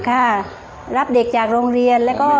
ค่ะรับเด็กจากโรงเรียนแล้วก็